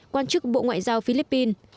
quan chức bộ ngoại giao philippines